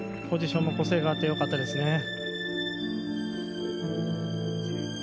ポジションも個性があってよかったですね。